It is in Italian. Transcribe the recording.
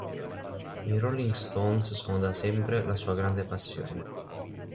I Rolling Stones sono da sempre la sua grande passione.